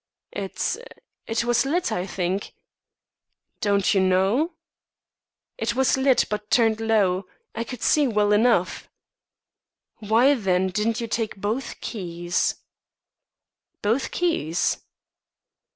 "It it was lit, I think." "Don't you know?" "It was lit, but turned low. I could see well enough." "Why, then, didn't you take both keys?" "Both keys?"